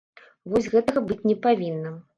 Вось гэтага быць не павінна.